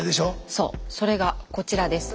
そうそれがこちらです。